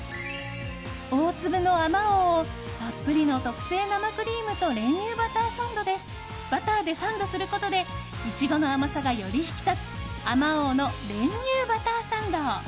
大粒のあまおうをたっぷりの特製生クリームと練乳バターでサンドすることでイチゴの甘さがより引き立つあまおうの練乳バターサンド。